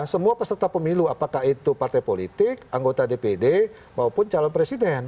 semua peserta pemilu apakah itu partai politik anggota dpd maupun calon presiden